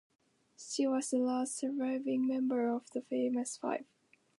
She was the last surviving member of the Famous Five.